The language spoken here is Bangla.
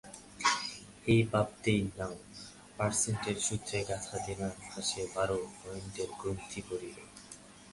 এই বাবদেই ন-পার্সেন্টের সূত্রে গাঁথা দেনার ফাঁসে বারো পার্সেন্টের গ্রন্থি পড়ল।